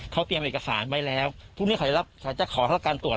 เขาเตรียมเอกสารไว้แล้วพรุ่งนี้เขาจะขอเท่าการตรวจ